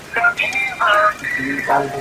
আমি তোমাদের বলছি, তোমরা অনেক টাকার মালিক হতে চলেছ।